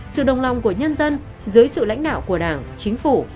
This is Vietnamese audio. sự đồng lòng của nhân dân dưới sự lãnh đạo của đảng chính phủ